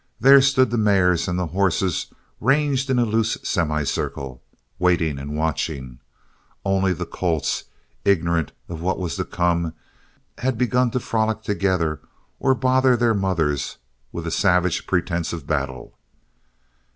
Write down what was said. There stood the mares and the horses ranged in a loose semi circle, waiting and watching; only the colts, ignorant of what was to come, had begun to frolic together or bother their mothers with a savage pretense of battle.